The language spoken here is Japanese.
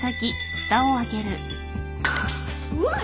うわっ！